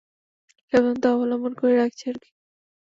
সাবধানতা অবলম্বন করে রাখছি আরকি।